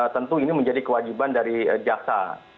tentu ini menjadi kewajiban dari jaksa